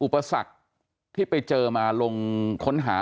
ความเชี่ยวของน้ำ